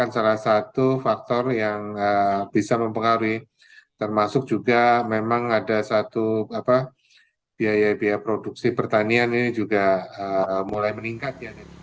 salah satu faktor yang bisa mempengaruhi termasuk juga memang ada satu biaya biaya produksi pertanian ini juga mulai meningkat